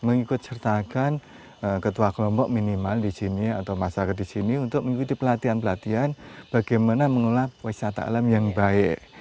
mengikut sertakan ketua kelompok minimal di sini atau masyarakat di sini untuk mengikuti pelatihan pelatihan bagaimana mengelola wisata alam yang baik